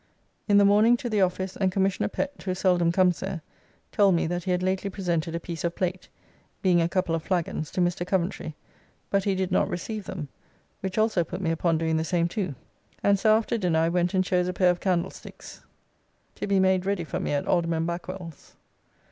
In the morning to the office and Commissioner Pett (who seldom comes there) told me that he had lately presented a piece of plate (being a couple of flaggons) to Mr. Coventry, but he did not receive them, which also put me upon doing the same too; and so after dinner I went and chose a payre of candlesticks to be made ready for me at Alderman Backwell's.